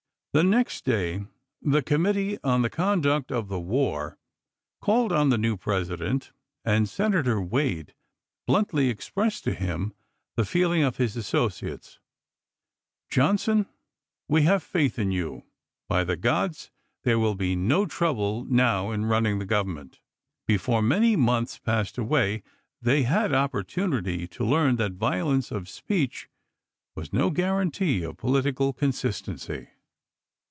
The next day the Committee on the Conduct of the War called on the new President, and Senator Wade bluntly expressed to him the feeling of his associates :" Johnson, we have faith in you. By the gods, there will be no trouble now in running ibid., p. 257. the Government." Before many months passed away they had opportunity to learn that violence of speech was no guarantee of political consistency.